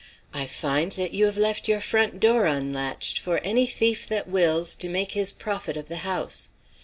I find that you have left your front door unlatched for any thief that wills to make his profit of the house.